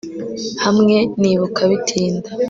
hamwe nibuka bitinda